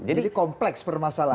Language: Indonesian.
jadi kompleks permasalahan